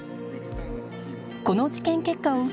この治験結果を受け